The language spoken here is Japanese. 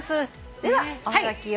ではおはがきをご紹介。